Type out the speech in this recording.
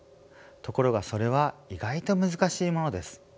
ところがそれは意外と難しいものです。